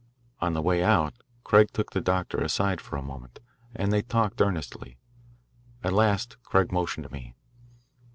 On the way out Craig took the doctor aside for a moment, and they talked earnestly. At last Craig motioned to me.